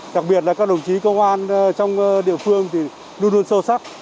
đặc biệt là các đồng chí công an trong địa phương thì luôn luôn sâu sắc